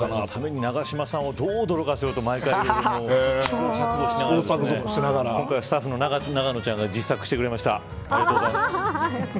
永島さんをどう驚かせようかと毎回、試行錯誤しながら今回スタッフが自作してくれました。